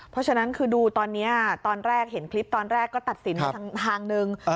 เพราะฉะนั้นคือดูตอนนี้ตอนแรกเห็นคลิปตอนแรกก็ตัดสินมาทางนึง